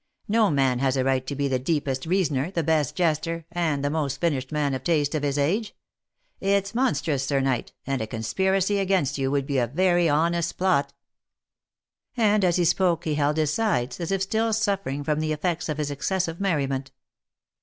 No man has a right to be the deepest reasoner, the best jester, and the most finished man of taste of his age. It's monstrous, Sir knight, and a conspiracy against you would be a very honest plot." And as he spoke he held his sides, as if still suffering from the effects of his excessive merriment.